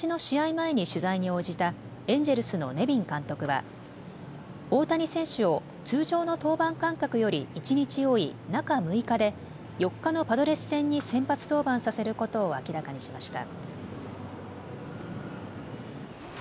前に取材に応じたエンジェルスのネビン監督は大谷選手を通常の登板間隔より１日多い中６日で４日のパドレス戦に先発登板させることを明らかにしました。